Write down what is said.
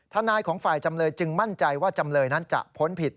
ทนายของฝ่ายจำเลยจึงมั่นใจว่าจำเลยนั้นจะพ้นผิด